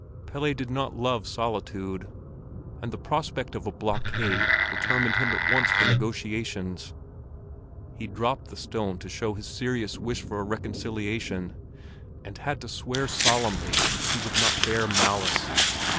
Pelle did not love solitude, and the prospect of a blockade determined him at once for negotiations. He dropped the stone to show his serious wish for a reconciliation, and had to swear solemnly that he would not bear malice.